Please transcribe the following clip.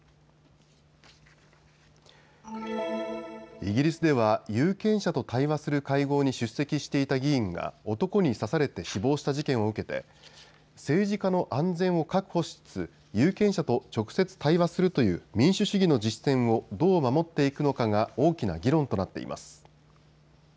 イギリスでは有権者と対話する会合に出席していた議員が男に刺されて死亡した事件を受けて政治家の安全を確保しつつ有権者と直接対話するという民主主義の実践をどう守っていくのかが大きな議論となっています。